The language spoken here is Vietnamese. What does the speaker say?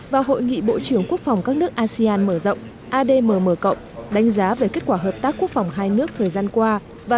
và hội nghị bộ trưởng quốc phòng các nước asean mở rộng admm đánh giá về kết quả hợp tác quốc phòng hai nước thời gian qua và